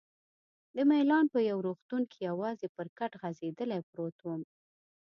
د میلان په یو روغتون کې یوازې پر کټ غځېدلی پروت وم.